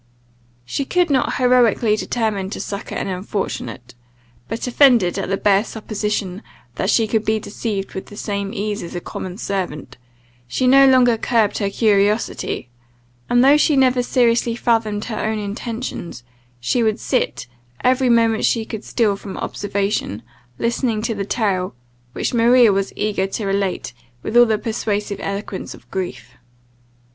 She could not heroically determine to succour an unfortunate; but, offended at the bare supposition that she could be deceived with the same ease as a common servant, she no longer curbed her curiosity; and, though she never seriously fathomed her own intentions, she would sit, every moment she could steal from observation, listening to the tale, which Maria was eager to relate with all the persuasive eloquence of grief.